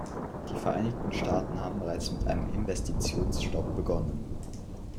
Die Vereinigten Staaten haben bereits mit einem Investitionsstop begonnen.